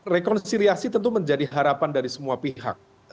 rekonsiliasi tentu menjadi harapan dari semua pihak